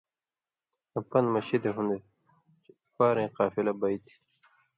آں پن٘دہۡ مہ شِدیۡ ہُوۡن٘دوۡ چےۡ اُپارَیں قافلہ بئ تھی۔